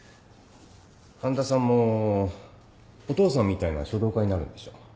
半田さんもお父さんみたいな書道家になるんでしょ？